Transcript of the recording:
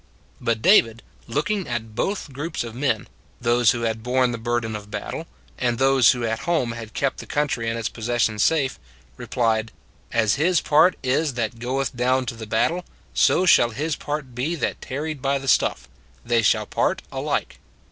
But David, looking at both groups of men, those who had borne the burden of battle and those who at home had kept the country and its possessions safe, re plied: " As his part is that goeth down to the battle, so shall his part be that tarrieth by the stuff: they shall part alike."